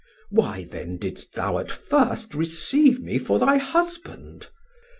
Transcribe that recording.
Why then Didst thou at first receive me for thy husband?